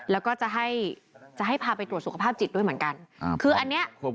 แล้วก็จะให้พาไปตรวจสุขภาพจิตด้วยเหมือนกัน